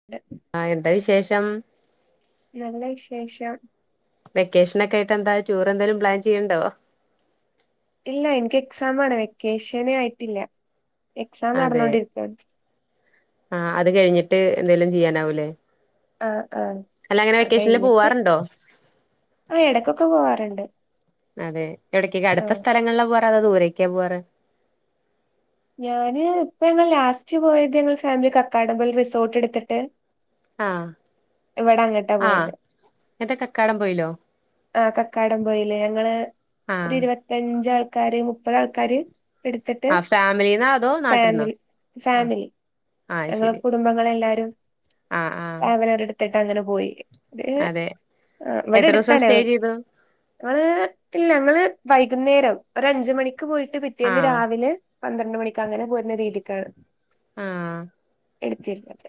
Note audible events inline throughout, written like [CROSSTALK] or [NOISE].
[INAUDIBLE] ആഹ് എന്താ വിശേഷം നല്ല വിശേഷം വെക്കേഷന് ഒക്കെയിട്ട് എന്താ ടൂറെന്തേലും പ്ലാൻ ചെയ്യ്ണ്ടോ ഇല്ല എനിക്ക് എക്സാം ആണ് വെക്കേഷന് ആയിട്ടില്ല എക്സാം അതെ നടന്നോണ്ടിരിക്കാണ് ആഹ് അത് കഴിഞ്ഞിട്ട് എന്തേലും ചെയ്യാനാവൂല്ലേ ആഹ് ആഹ് അത് കഴിഞ്ഞിട്ട് പോവാറുണ്ടോ ആഹ് എടക്കൊക്കെ പോവാറുണ്ട് അതെ എവിടക്കൊക്കെ അടുത്ത ആഹ് സ്ഥലങ്ങളിലാ പോവാറ് അതാ ദൂരേക്കാ പോവാറ് ഞാന് ഇപ്പ ഞങ്ങ ലാസ്റ്റ് പോയത് ഞങ്ങ ഫാമിലി കക്കാടം പോൽ റിസോർട്ട് എടുത്തിട്ട് ആഹ് ഇവിടെ അങ്ങട്ടാ ആഹ് പോയത് എതാ കക്കാടം പോയിലോ ആഹ് കക്കാടം പോയില് ഞങ്ങള് ഒരു ആഹ് ഇരുപത്തിഞ്ചാൾക്കാര് മുപ്പത് ആൾക്കാര് എടുത്തിട്ട് ഫാമിലിനാ ഫാമിലി ഫാമിലി ആഹ് ഞങ്ങളെ ശരി കുടുംബങ്ങള് എല്ലാരും ആഹ് ആഹ് ടാവലർ എടുത്തിട്ട് അങ്ങനെ പോയി ഏഹ് അതെ ഇവിടെ എത്ര ദിവസം അടുത്താണേ സ്റ്റേ ചെയ്തു ഞങ്ങള് ഇല്ല ഞങ്ങള് വൈകുന്നേരം ഒരു അഞ്ച് മണിക്ക് പോയിട്ട് പിറ്റേന്ന് ആഹ് രാവിലെ പന്ത്രണ്ട് മണിക്ക് അങ്ങനെ പോരുന്ന രീതിക്കാണ് ആഹ് ഇട്ത്തീര്ന്നത്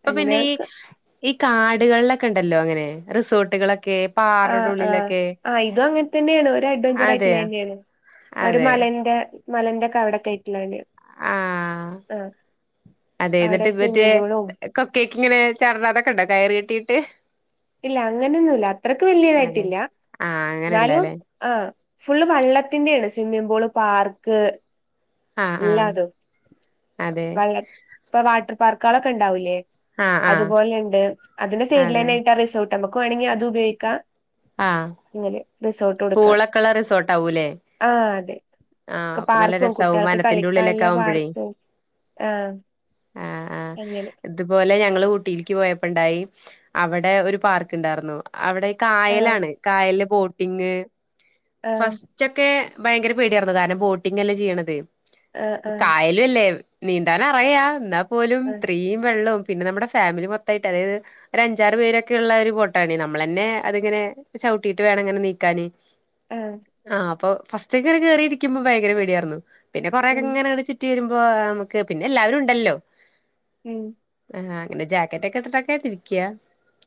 ഇപ്പൊ പിന്നെ ഈ ഈ കാടുകളിലൊക്കെ ഉണ്ടല്ലോ അങ്ങനെ റിസോർട്ടുകളൊക്കെ പാറയുടെ ആഹ് ആഹ് ഉള്ളിലൊക്കെ ആഹ് ഇതും അങ്ങനെ തന്നെയാണ് ഒരു അഡ്വഞ്ചർ ആയിട്ടുള്ള അതെയോ തന്നെയാണ് ഒരു അതെ മലന്റെ മലന്റെ ഒകെ അവിടെ ആട്ടുള്ളല് ആഹ് ആഹ് അതെ അവിടെ എന്നിട്ട് മറ്റേ സ്വിമ്മിംഗ് പൂളും കൊക്കേക്ക് ഇങ്ങനെ ചടാ അതൊക്കെ ഉണ്ടോ കയറ് കെട്ടിയിട്ട് ഇല്ല അങ്ങനെന്നുല്ല അത്രക്ക് അതെ വല്യതായിട്ടില്ല ആഹ് ന്നാലും അങ്ങനെയല്ലല്ലേ ആഹ് ഫുള്ള് വള്ളത്തിന്റെ ണ് സ്വിമ്മിംഗ്പൂള് പാർക്ക് ആഹ് ഇല്ലാ ആഹ് അതും അതെ വള്ള പ്പ വാട്ടർ പാർക്കളക്കെ ണ്ടാവുലേ ആഹ് ആഹ് അതുപോലെണ്ട് അതിന്റെ സൈഡ് അതെ ലൈനായിട്ട് ആഹ് റിസോ നമ്മക്ക് വാണെങ്കി അത് ഉപയോഗിക്കാം. ആഹ് ഇങ്ങനെ റിസോർട്ട് കൊടുക്കാ പൂളക്കള റിസോർട്ട് ആവൂല്ലേ? ആഹ് അതെ ആഹ് അപ്പ നല്ല പാർക്കും രസാവും. കുട്ടികൾക്ക് വനത്തിന്റെ ഉള്ളിലക്ക കളിക്കാനുള്ള ആവുമ്പഴേ പാർക്കും ആഹ് ആഹ് ആഹ് അങ്ങനെ എ ഇതുപോലെ ഞങ്ങള് ഊട്ടിൽക്ക് പോയപ്പോ ണ്ടായി അവടെ ഒരു പാർക്ക് ണ്ടാരുന്നു അവടെ കാ ആഹ് ണ് കായൽന്റെ ബോട്ടിങ് ആഹ് ഫസ്റ്റ്ക്കെ ഭയങ്കര പേടിയായിരുന്നു കാരണം ബോട്ടിങ് അല്ലേ ചെയ്യണത് ആഹ് ആഹ് കായൽ ല്ലേ നീന്താന അറയാ ന്നാ പോലും ആഹ് സ്ത്രീയും വെള്ളോം പിന്നെ നമ്മുടെ ഫാമിലി മൊത്തായിട്ട് അതായത് ഒരു അഞ്ചാറ് പേരൊക്കെ ള്ള ഒരു ബോട്ടാണ് നമ്മളന്നെ അത്ങ്ങനെ ചൗട്ടിട്ട് വേണങ്ങനെ നീക്കാന്. ആഹ് ആഹ് അപ്പ ഫസ്റ്റേക്ക് കേറി കേറി രിക്കുമ്പോ ഭയങ്കര പേടിയായിര്ന്നു പിന്നെ കൊറേക്കെ ഉം ഇങ്ങനെണ്ട് ചു റ്റി വരുമ്പോ നമുക്ക് പിന്നെ എല്ലാവരും ണ്ടല്ലോ ഉം ആഹ് അങ്ങനെ ജാക്കറ്റ് ഒക്കെ ഇട്ട്ട്ടൊക്കെ തിരിക്ക്യാ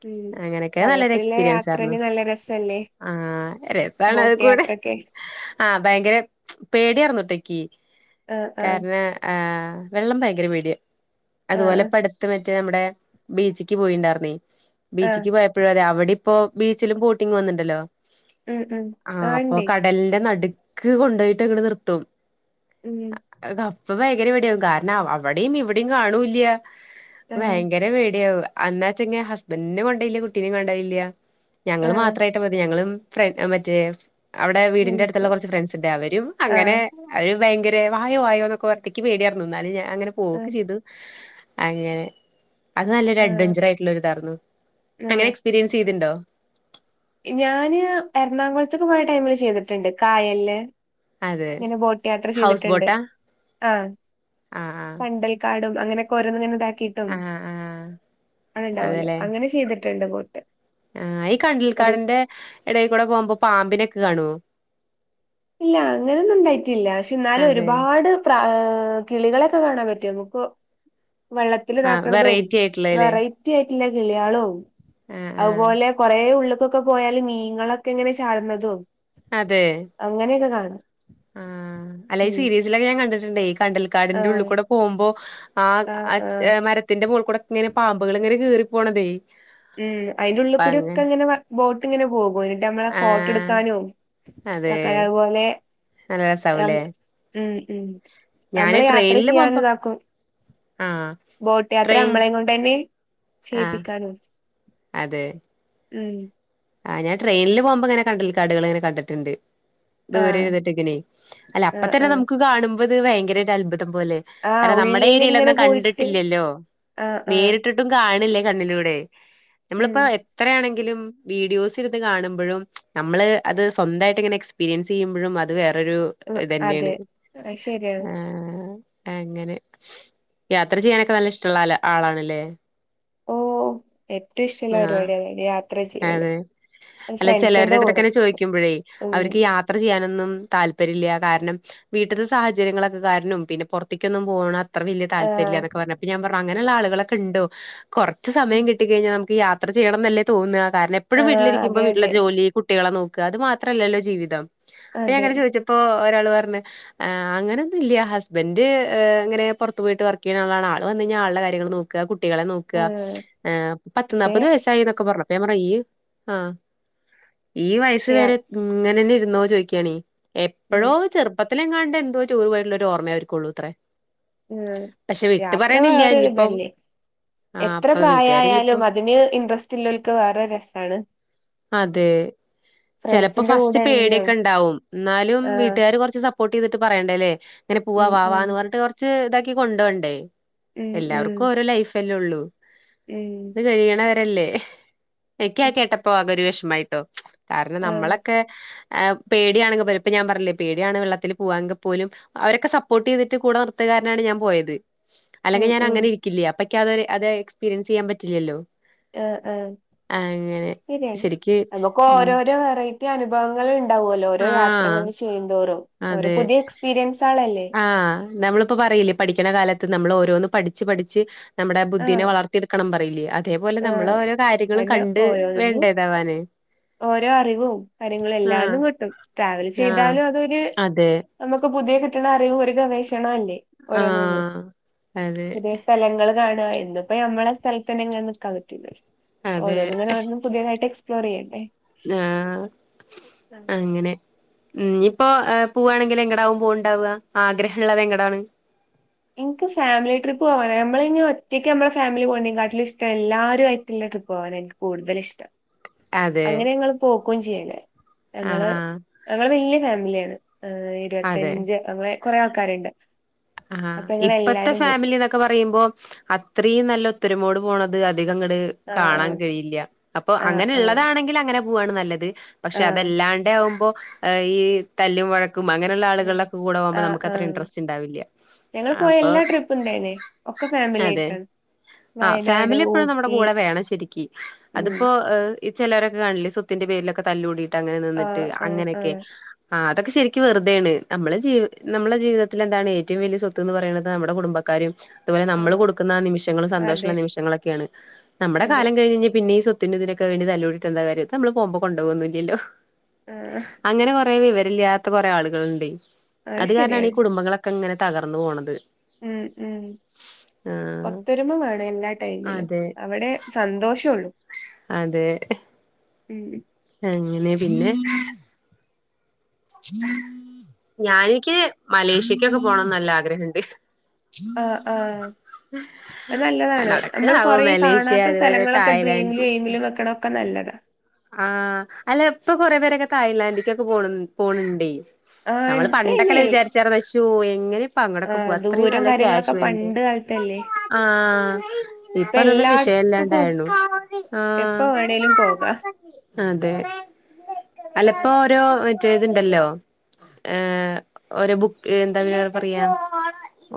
ഉം അങ്ങനെയൊക്കെ നല്ലൊരു വള്ളത്തിലെ എക്സ്പീരിയൻസ് ആയിരുന്നു. യാത്രേന് നല്ല രസല്ലേ? ആഹ് രസാണ് ആകെ ബോട്ട് കൂടെ യാത്രൊക്കെ ആഹ് ഭയങ്കര പേടിയാരുന്നു ഒറ്റക്കി ആഹ് ആഹ് കാരണം ആഹ് വെള്ളം ഭയങ്കര പേട്യാ അത്പോലെ ആഹ് പ്പട് മറ്റേ നമ്മുടെ ബീച്ച്ക്കി പോയിണ്ടായിര്ന്നേ ആഹ് ബീച്ചക്കി പോയപ്പഴും അതെ അവടിപ്പോ ബീ ച്ചില് ബോട്ടിംഗ് വന്ന്ണ്ടല്ലോ ഉം ഉം ആഹ് അപ്പൊ ഇണ്ടേ കടല്ന്റെ നട് ക്ക് കൊണ്ടോയിട്ട് അങ്ങട് നിർത്തും ഉം അപ്പ ഭയങ്കര പേടിയാവും കാര്ണ അവടിം ഇവടിം കാണൂല്ല ആഹ് ഭയങ്കര പേടിയാവ. അന്നാച്ച് ങ്ങ് ഹസ്ബന്റിനെ കൊണ്ടയില്ല കുട്ടീനെ കൊണ്ടയില്ല. ഞങ്ങള് ആഹ് മാത്രായിട്ട് മതി ഞങ്ങളും ഫ്ര മറ്റേ അഒടെ വീട്ന്റെ അട്ത്ത്ള്ള ഫ്രണ്ട്സ് കൊർച്ച് ഫ്രണ്ട്സ് ണ്ട് അവരും അങ്ങനെ ആഹ് അവര് ഭയങ്കര വായോ വായോ ന്നൊക്കെ ഒറ്റക്കി പേടിയ്ര്ന്നു ന്നാലും ഞാ അങ്ങനെ പോവൊക്കെ ആഹ് ചെയ്ത്. അങ്ങനെ അത് നല്ലൊരു ആഹ് അഡ്വെഞ്ചർ ആയിട്ടുള്ളരു താരുന്നു. അങ്ങനെ ആഹ് എക്സ്പീരിയൻസ് ചെയ്തിണ്ടോ? ഞാന് എർണാകൊൾത്ത്ക്ക് പോയ ടൈമില് ചെയ്തിട്ട്ണ്ട് കായല്ല്. അതെ ങ്ങനെ ബോട്ട് യാത്ര ഹൗസ് ചെയ്ത്ട്ട്ണ്ട് ബോട്ടാ ആഹ് ആഹ് കണ്ടൽ കാടും അങ്ങനെ കൊരങ്ങൻ ണ്ടാക്കിട്ടും ആഹ് ആഹ് അത് ണ്ടാവല്ലോ അതെല്ലേ അങ്ങനെചെയ്ത്ട്ട്ണ്ട് ബോ ആഹ് ഈ കണ്ടൽക്കാട്ന്റെ എടയിൽ ക്കൂടെ പോകുമ്പോ പാമ്പ്നക്കെ കാണോ? ഇല്ല അങ്ങനെന്നും ണ്ടായിട്ടില്ല ക്ഷെ ന്നാലും അതെ ഒര്പാട് ത്രാ ഹ് കിളികളെക്കെ കാണാൻ പറ്റോ? മ്മുക്ക് വെള്ളത്തി ആഹ് ഇതാക്കണതും വെറൈറ്റി ആയിട്ടുള്ളല്ലേ വെറൈ [UNINTELLIGIBLE] കിളിയാളും ആഹ് ആഹ് അതുപോലെ കൊറേ ഉള്ള്ക് പ്പം പോയാല് മീൻങ്ങളക്കെ ഇങ്ങനെ ചാട്ണതും അതേ അങ്ങനെയൊക്കെ കാണാ ആഹ് അല്ല ഈ സീരിയൽസിലൊക്കെ ഞാ കണ്ട്ട്ടുണ്ടേ കണ്ടൽ ക്കാട്ന്റെ ആഹ് ഉള്ള്കൂടെ പോവുമ്പോ ആഹ് മരത്തിന്റെ മോൾകൂടെ ഇങ്ങനെ പാമ്പ്കൾ ങ്ങനെ കേറി പോണതേ ഉം അയിന്റെ ഉള്ള്കൂടി ഒക്കെ അങ്ങനെ ബോട്ട് ഇങ്ങനെ പോകുനി. നമ്മളെ ആഹ് ഫോട്ടെടുക്കാനും അതെ ഒക്കെ അതുപോലെ നല്ല ഉം രസാവൂലേ ഉം ഞാന് നമ്മളെ യാത്ര ട്രെയിനില് ചെയ്യാനും പോകുമ്പോ താക്കും. ആഹ് ബോട്ട് യാത്ര ട്രെയിൻ നമ്മളെ കൊണ്ട് ന്നെ ആഹ് ചെയ്യിപ്പിക്കാലോ. അതെ ഉം ആഹ് ഞാൻ ട്രെനില് പോകുമ്പോ ഇങ്ങനെ കണ്ടൽ കടുകളിങ്ങനെ കണ്ടിട്ടുണ്ട് ആഹ് ദൂരെരുന്നിട്ട് ഇങ്ങനെ അല്ല ആഹ് അപ്പോത്തെന്നെ ആഹ് നമുക്ക് കാണുമ്പോ ഇത് ഭയങ്കര ഒരു അത്ഭുതം പോലെ ആഹ് അല്ല നമ്മടെ ഉള്ളില് ഇങ്ങനെ ഏരിയയിലൊന്നും പോയിട്ട് കണ്ടിട്ടില്ലല്ലോ ആഹ് ആഹ് നേരിട്ടി ട്ടും കാണല്ലേ കണ്ണിലൂടെ ഉം നമ്മളിപ്പോ എത്രയാണെങ്കിലും വീഡിയോസ് ഇരുന്ന് കാണുമ്പഴും നമ്മള് അത് സ്വന്തായിട്ട് ഇങ്ങനെ എക്സ്പീരിയൻസ് ചെയ്യുമ്പഴും അത് വേറൊരു ഉം ഇതെന്നെയാണ് അതെ അത് ശരിയാണ് ആഹ് അങ്ങനെ യാത്ര ചെയ്യാനൊക്കെ നല്ല ഇഷ്ടള്ള അല്ല ആളാണല്ലേ ഓ ഏറ്റും ഇഷ്ടള്ള ആഹ് പരിപാടിണ് യാത് അതെ അല്ല ചെലരുടെ അടുത്തൊക്കെ കൂടെ ഇങ്ങനെ ചോയിക്കുമ്പഴേ ഉം അവർക്ക് യാത് യാത്ര ചെയ്യാനൊന്നും താല്പര്യല്ല കാരണം വീട്ട്ത്തെ സാഹചര്യങ്ങളൊക്കെ കാരണും പിന്നെ പുറത്ത്ക്കൊന്നും പോണ അത്ര വലിയ താല്പര്യല്ല ആഹ് എന്നൊക്കെ പറഞ്ഞ് അപ്പം ഞാൻ പറഞ്ഞ് അങ്ങനെള്ള ആളുകളൊക്കെ ഇണ്ടോ കൊറച്ച് ഉം സമം കിട്ടി കഴിഞ്ഞാ നമക്ക് യാ യാത്ര ചെയ്യണന്നല്ലേ തോന്ന കാരണം എപ്പോഴും ആഹ് വീട്ടിരിക്കുമ്പോ അതെ അതെ വീട്ടിലത്തെ ജോലി കു കുട്ടികളെ നോക്ക അത് മാത്രല്ലല്ലോ ജീവിതം ഇപ്പൊ ഞാന് അതെ ഇങ്ങനെ ചോയിച്ചപ്പോ ഒരാള് പറഞ്ഞ് ഏ അങ്ങനൊന്നുല്ല ഹബന്റ് ഇങ്ങനെ പുറത്ത് പോയിട്ട് വർക്ക് ചെയ്യ്ണ ആളാണ് ആള് വന്ന കഴിഞ്ഞാൽ ആളുടെ കാര്യങ്ങൾ നോക്ക നോക്കാ കുട്ടികളെ നോക്ക ആഹ് ഏ പത്ത് പക്ഷെ നാല്പ്പത് വയസ്സായി എന്നൊക്കെ പറഞ്ഞു അപ്പൊ ഞാന് പറഞ്ഞ് ഈ ആഹ് ഈ വയസ് യാ വേരെ ഇങ്ങനെന്നെരുന്നോ ചോയിക്കാണി ഉം എപ്പഴോ ചെറുപ്പത്തിലെങ്ങാണ്ട് എന്തോ ടൂറ് പോയിട്ടുള്ള ഒരു ഓർമ്മയേ അവര്ക്കൊള്ളൂ അത്രേ ഉം പക്ഷെ വിട്ട് യാത്ര പറയണില്ല ഇനിയിപ്പോ വേറെരിതല്ലേ ആ എത്ര അപ്പൊ വീട്ടുകാര് ഇനിയിപ്പോ പ്രായായാലും അ അതിന് ഇട്രസ്റ്റ് ഇല്ലോൽക്ക് വേറെരു രസാണ് അതെ ചെപ്പോ ഫ്രണ്ട്സിന്റെ ഫസ്റ്റ് കൂടെ ആണെങ്കിലും പേടിയൊക്കെ ഇണ്ടാവും എന്നാലും ആഹ് വീട്ടുകാര് കൊറച്ച് സപ്പോട്ട് ചെയ്തിട്ട് പറയണ്ടല്ലേ ഇങ്ങനെ പോവാ ഉം വാവാ ഉം എന്ന് പറഞ്ഞിട്ട് കൊറച്ച് ഇതാക്കി കൊണ്ടോണ്ടെ ഉം എല്ലാവർക്കും ഓരോ ലൈഫല്ലേ ഒള്ളു ഉം കയ്യിണവരല്ലേ ഇക്ക് അത് ഉം കേട്ടപ്പോ ആകെ ഒരു വിഷമായിട്ടോ കാരണം ആഹ് നമ്മളൊക്കെ ഏ പേടിയണെങ്കിൽ പലപ്പോ ഞാൻ പറഞ്ഞില്ലേ പേടിയാണ് വെള്ളത്തിൽ പോവാങ്കിൽ പോലും അവരൊക്കെ സപ്പോർട്ട് ചെയ്തിട്ട് കൂടെ നൃത്തുകാരനാണ് ഞാൻ പോയത് ഉം അല്ലെങ്കി ഉം ഞാനങ്ങനെ ഇരിക്കില്ല അപ്പൊ ഇൻക്കത് എക്സ്പീരിയൻസ് ചെയ്യാൻ പറ്റില്ലല്ലോ ആഹ് ആഹ് അങ്ങനെ ശെരിയാ ശരിക്ക് ആണോ ഒക്കെ ഉം ഓരോരോ വെറൈറ്റി അനുഭവങ്ങൾ ഇണ്ടാവോല്ലോ ഓരോ ആഹ് യാത്രങ്ങനെ ചെയ്യുന്തോറും ഓരൊ അതെ പുതിയ എക്സ്പീരിയൻസാളല്ലേ ആഹ് നമ്മള് ഇപ്പം പറയില്ലേ പഠിക്ക്ണ കാലത്ത് നമ്മള് ഓരോന്ന് പഠിച്ച് പഠിച്ച് നമ്മടെ ബുദ്ധീനെ ആഹ് വളർത്തിയെടുക്കണം പറയില്ലേ അതേപോലെ നമ്മള് ആഹ് ഓരോ കാര്യങ്ങള് അന്നെ കണ്ട് ഓരോന്നിനും വേണ്ടെ ഇതാവാന് ഓരോ അറിവും കാര്യങ്ങളും ആഹ് എല്ലാതും കിട്ടും ട്രാവൽ ആഹ് ചെയ്താലും അതൊരു അതെ നമുക്ക് പുതിയ കിട്ടണറിവ് ഒരു ഗവേഷണല്ലേ ഓരോന്ന ആഹ് അതെ പുതിയ സ്ഥലങ്ങൾ കാണ എന്നും അപ്പൊ നമ്മളെ സ്ഥലത്തന്നെങ്ങനെ നിക്കാൻ പറ്റൂലല്ലോ അതെ ഓരോന്ന്ങ്ങനെ ഓരോന്ന് പുതിയതായിട്ട എക്സ്പ്ലോർ ചെയ്യണ്ടേ ആഹ് ആ. അങ്ങനെ ഇനിയിപ്പോ പോവാണെങ്കിൽ എങ്ങടാവും പോവുണ്ടാവ ആഗ്രഹള്ളത് എങ്ങടാണ് ഇൻക്ക് ഫാമിലിട്രിപ്പ് പോവാന നമ്മള ഇനി ഒറ്റക്ക്മ്മ ഫാമിലി പോവുന്നകാട്ടിലും ഇഷ്ടം എല്ലാരു ആയിട്ടുള്ള ട്രിപ്പ് പോവാന ഇൻക്ക് കൂടുതലിഷ്ടം അതെ അങ്ങനെ ഞങ്ങള് പോക്കും ചെയ്യല് ആഹ് ഞങ്ങള് ആഹ് ഞങ്ങള് വല്ല്യ ഫാമിലിയാണ് അതെ ഇരുപത്തഞ്ച് ഞങ്ങള് കൊറേ ആൾക്കാര്ണ്ട് ആഹ് ഇപ്പത്തെ ഫാമിലിനൊക്കെ ക്കെ പറയുമ്പോ അത്രയും നല്ല ഒത്തൊരുമോട് പോണത് അധികങ്ങട് കാണാൻ ആഹ് കഴിയില്ല അപ്പൊ ആഹ് ആഹ് അങ്ങനെള്ളതാണെങ്കിൽ അങ്ങനെ പോവാണ് നല്ലത് പക്ഷെ ആഹ് അതല്ലാണ്ടെയാവുമ്പോ ഈ തല്ലും വഴ കും അങ്ങനള്ള ഉം ആളുകളൊക്കെ കൂടെവോവ്മ്പോ ആഹ് നമുക്കത്ര ആഹ് ഇൻഡ്രെസ്റ്റ് ണ്ടാവില്ല്യ ഞങ്ങള് പോയ എല്ലാ ട്രിപ്പും തേനെ ഒക്കെ ഫാമിലി അതെ ആയിട്ടാണ് ആഹ് വയനാട് ഫാമിലി എപ്പഴും നമ്മുടെ ഊട്ടി കൂടെ വേണം ശെരിക്ക് ഉം അതിപ്പോ ഇഹ് ഈ ചിലരൊക്കെ കണില്ലേ സ്വത്തിന്റെ പേരിലൊക്കെ തല്ലൂടിട്ട് അങ്ങനനിന്നിട്ട് ആഹ് ആഹ് അങ്ങനെക്കെ ആഹ് ആഹ് അതൊക്കെ ശരിക്ക് വെറുതെണ് നമ്മെളെ ജീ നമ്മളെ ജീവിതത്തിലെന്താണ് ഏ റ്റവും വലിയ സ്വത്ത് ന്ന് പറയണത് നമ്മുടെ കുടുംബക്കാരും അതുപോലെ നമ്മള് ആഹ് കൊടുക്കുന്ന നിമിഷങ്ങളും അതെ സന്തോഷള്ള നിമിഷങ്ങളൊക്കെണ് നമ്മുടെ അതെ കാലം കഴിഞ് കഴിഞ്ഞഴിഞ്ഞ പിന്നേം ഈ സൊ ത്തിന്റെ ഇതിനൊക്കെ വേണ്ടി തല്ലൂടീട്ടെന്താ കാര്യം ഇതമ്മള് പോവുമ്പോ കൊണ്ടൊവോന്നില്ലല്ലോ ആഹ് അങ്ങനെ കൊറേ വിവരല്ലാത്ത കുറെ ആളുകള്ണ്ടേയ് അത് അത്കാരണാണീ ഈ ശരിയാണ് കുടുംബങ്ങളെ ക്കങ്ങനെ തകർന്നു പോണത് ഉം ഉം ആഹ് ഒത്തൊരുമ വേണം എല്ലാ ടൈമിലും അതെ അവിടെ സന്തോഷം ഒള്ളു അതെ ഉം അങ്ങനെ പിന്നെ ഞാനെനിക്ക് മലേഷ്യക്കൊക്കെ പോണംന്ന് നല്ല ആഗ്രഹണ്ട് ആഹ് ആഹ് അത് [INAUDIBLE] നല്ലതാണ് നടക്കോ നമ്മള് ആവോ കൊറേ മലേഷ്യ കാണാത്ത അതുപോലെ സ്ഥലങ്ങളൊക്കെ തായ്ലൻഡ് ഡ്രീമിലും എയിമിലും വെക്കണൊക്കെ നല്ലതാ ആഹ് അല്ല ഇപ്പൊ കൊറെ പേരൊക്കെ തഴ്ലാൻഡിക്കൊക്കെ പോണ് പോണ് ണ്ടേയ് ആഹ് നമ്മള് പണ്ടൊക്കെല്ല ഇപ്പയ്നൽ വിചാരിച്ചാര്ന്ന് ശോ എങ്ങനെപ്പ അങ്ങടൊക്കെ പോവാ അത്രയും നല്ല ക്യാഷ് വേണ്ടെ തല്ലേ ആഹ് ഇപ്പ അതൊന്നും എല്ലാട്ത്ത്ക്കും വിഷയല്ലാണ്ടയുള്ളൂ ആഹ് പോക അതെ അല്ലപ്പൊ ഓരോ മറ്റേ ത്ണ്ടല്ലോ ഏഹ് ഓര് ബുക്ക് എന്താ [UNINTELLIGIBLE] പറയാ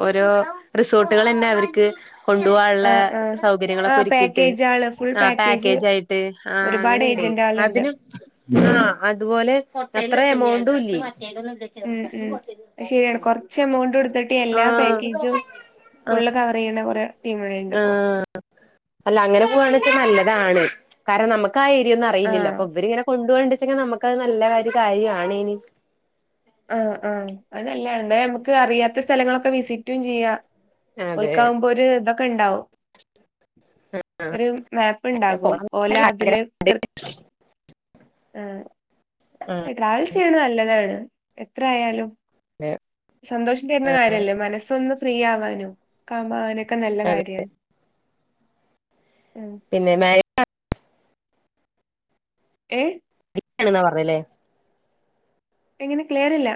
ഓരോ റിസോർട്ടുകളെന്നെ അവര്ക്ക് കൊണ്ടൂവാള്ളെ ആഹ് ആഹ് സൗകര്യങ്ങളൊക്കെ ആഹ് ഒരുക്കിയിട്ട് പാക്കേജ് ആള് ഫുൾ ആഹ് പാക്കേജ് പാക്കേജായിട്ട് ആഹ് ഒരുപാട് അങ്ങനെ ഏജന്റ് ആളുണ്ട് അതിനും ആഹ് അതുപോലെ [UNINTELLIGIBLE] അത്രെ എമൗണ്ടൂല്ല്യേ ഉം ഉം അത് ശരിയാണ് കൊറച്ച് എമൗണ്ട് കൊടുത്തിട്ട് [UNINTELLIGIBLE] എല്ലാ ആഹ് പാക്കേജും ആഹ് ഫുള്ള് കവറെയ്യ്ണ കുറെ ആഹ് അല്ല അങ്ങനെ പോവാണ് ച്ചാ നല്ലതാണ് കാരണം നമ് ക്കാഏരിയൊന്നും അറിയില്ലല്ലോ ആഹ് അപ്പൊ ഇവരിങ്ങനെ കൊണ്ടോവ്ണ്ടിച്ചെങ്കെ നമുക്ക് അഹ് നല്ലകാരിയൊക്കെ ആണേനി ആഹ് ആഹ് അത് നല്ലാണ് ന്നെ നമുക്ക് അറിയാത്ത സ്ഥലങ്ങളൊക്കെ വിസിറ്റും ചെയ്യാ അതെ ഓൽക്കാവുമ്പോ ഒരു തൊക്കെണ്ടാവും ഒര് മാപ്പ്ണ്ടാകും പോണം ഓലാതില് ആഗ്രഹം ആഹ് ആഹ് ട്രാവൽ ചെയ്യണ നല്ലതാണ് എത്രയാലും അതെ സന്തോഷം തെര്നെ കാര്യല്ലേ മനസ്സൊന്ന് ഫ്രീ ആവാനും കാവ്മ്പ അത് നൊക്കെ നല്ല അതെ കാര്യമാണ് ഉം പിന്നെ മേ ഏഹ് [UNINTELLIGIBLE] ക്കാണ് ന്നാ പറഞ്ഞ്ല്ലേ എങ്ങനെ ക്ലിയറില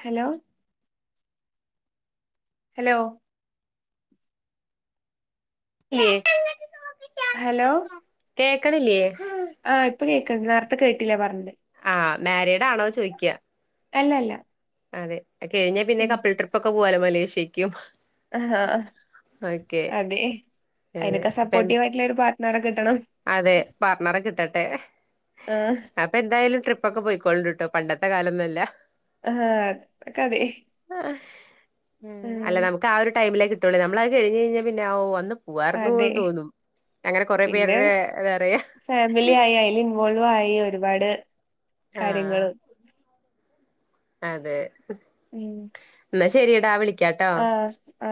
ഹലോ ഹലോ ക്ക്ല്യെ [UNINTELLIGIBLE] ഹലോ കേക്കണില്ല്യേ ആഹ് ഇപ്പ കേക്ക്‌ണ്ട് നേർത്തെ കേട്ടില പറഞ്ഞത് ആഹ് മാരിഡാണോ ചോയ്ക്ക അല്ലല്ല അതെ കഴിഞ്ഞാ പിന്നെ ഉം കപ്പിൾ ട്രിപ്പ് ക്കെ പോവാലോ മലേഷ്യക്കും ആ ഓക്കെ അതെ അതെ അയ്നൊക്കെ അപ്പൊ സപ്പോർട്ടീവ് ആയിട്ടുള്ള ഒരു പാർട്ടനറെ കിട്ടണം. അതെ പർണറെ കിട്ടട്ടെ അപ് ആഹ് അപ്പൊ എന്താലും ട്രിപ്പ് ഒക്കെ പോയിക്കോളോണ്ട്‌ട്ടോ പണ്ടത്തെ കാലൊന്നല്ല ഹാ കതെ ആ ഉം അല്ല നമുക്ക് ആ ഒരു ടൈമിലേ കിട്ടുള്ളേ നമ്മള അത് കഴിഞ്ഞയ്ഞ്ഞാ പിന്നെ ഔ അന്ന് അതെ പൂവാർന്നൂന്ന് തോന്നും അങ്ങനെ കൊറെ പിന്നെ പേരുടെ എന്താ പറയാ ഫാമിലി ആയി അയ്ൽ ഇൻവോൾവ് ആയി ഒരുപാട് കാര്യങ്ങള് ആ അതെ ഉം ന്നാ ശരിയടാ വിളിക് ആ ആ